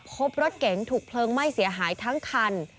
พบรถเก๋งถูกเพลิงไหม้เสียหายทั้งคัน